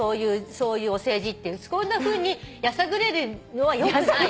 そういうお世辞ってこんなふうにやさぐれるのはよくない。